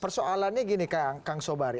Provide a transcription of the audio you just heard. persoalannya gini kang sobari